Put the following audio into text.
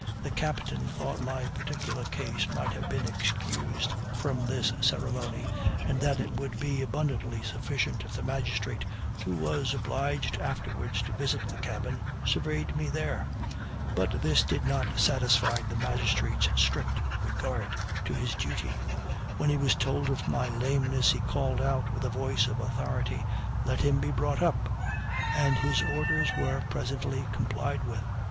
The captain thought my particular case might have been excused from this ceremony, and that it would be abundantly sufficient if the magistrate, who was obliged afterwards to visit the cabin, surveyed me there. But this did not satisfy the magistrate's strict regard to his duty. When he was told of my lameness, he called out, with a voice of authority, "Let him be brought up," and his orders were presently complied with.